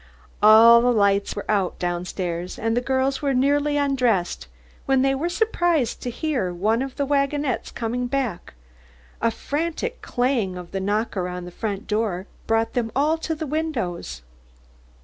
All the lights were out down stairs, and the girls were nearly undressed, when they were surprised to hear one of the wagonettes coming back. A frantic clang of the knocker on the front door brought them all to the windows.